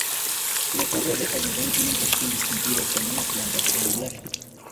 La torre de hormigón tiene un perfil distintivo, con una planta triangular.